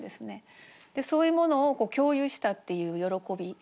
そういうものを共有したっていう喜び。